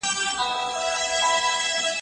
رانجه د نسلونو ترمنځ لېږدول کېږي.